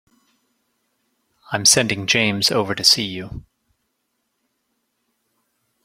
I'm sending James over to see you.